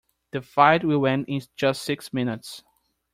The fight will end in just six minutes.